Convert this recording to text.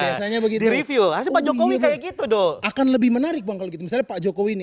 di review harusnya pak jokowi kayak gitu doh akan lebih menarik bang kalau misalnya pak jokowi ini